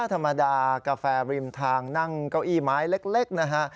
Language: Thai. ธรรมดากาแฟริมทางนั่งเก้าอี้ไม้เล็กนะฮะ